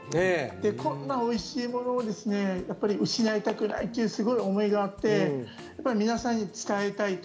こんなおいしいものをやっぱり失いたくないっていうすごい思いがあって皆さんに伝えたいと。